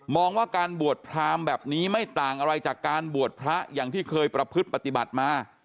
ว่าการบวชพรามแบบนี้ไม่ต่างอะไรจากการบวชพระอย่างที่เคยประพฤติปฏิบัติมา